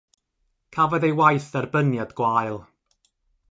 Cafodd ei waith dderbyniad gwael.